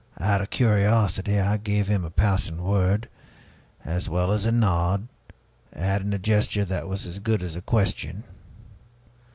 Out of curiosity I gave him a passing word as well as a nod, adding a gesture that was as good as a question.